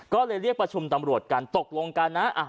ก็เลยเรียกประชุมตำรวจกันตกลงกันนะ